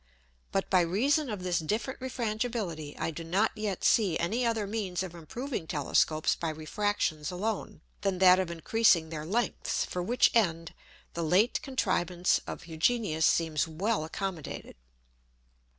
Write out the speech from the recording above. But by reason of this different Refrangibility, I do not yet see any other means of improving Telescopes by Refractions alone, than that of increasing their lengths, for which end the late Contrivance of Hugenius seems well accommodated.